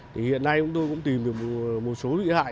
thì hiện nay chúng tôi cũng tìm được một số bị hại